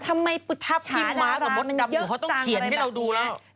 ทำไมปุดฉาดาลรามมันเยอะต่างอะไรแบบนี้